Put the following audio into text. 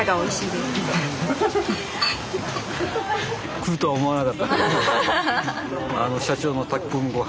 来るとは思わなかった。